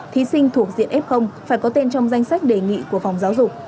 thí sinh thuộc diện f phải có tên trong danh sách đề nghị của phòng giáo dục